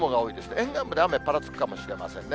沿岸部で雨、ぱらつくかもしれませんね。